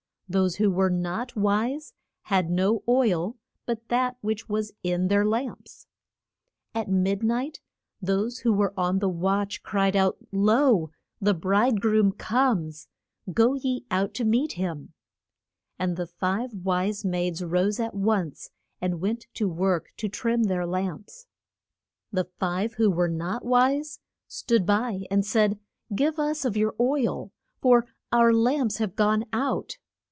Those who were not wise had no oil but that which was in their lamps. At mid night those who were on the watch cried out, Lo, the bride groom comes! Go ye out to meet him. And the five wise maids rose at once, and went to work to trim their lamps. The five who were not wise, stood by and said, Give us of your oil, for our lamps have gone out.